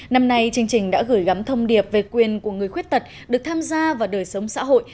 năm nay chương trình đã gửi gắm thông điệp về quyền của người khuyết tật được tham gia vào đời sống xã hội